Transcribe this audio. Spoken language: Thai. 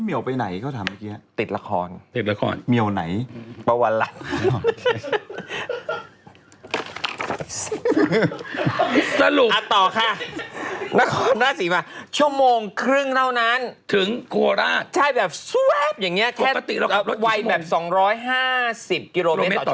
แค่วัยแบบ๒๕๐กิโลเมตรต่อชั่วโมงค่ะชว๊าป๓ชั่วโมงกันปกติแล้วกับรถจักร